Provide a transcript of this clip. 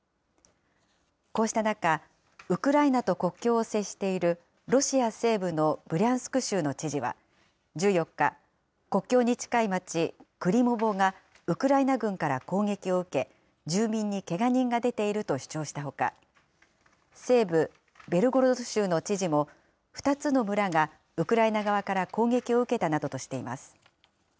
こうした中、ウクライナと国境を接しているロシア西部のブリャンスク州の知事は１４日、国境に近い町クリモボがウクライナ軍から攻撃を受け、住民にけが人が出ていると主張したほか、西部ベルゴロド州の知事も、２つの村がウクライナ側から攻撃を受けたなどとしています。